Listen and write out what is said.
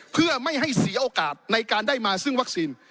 เพื่อไม่ให้เสียโอกาสในการได้มาซึ่งวัคซีน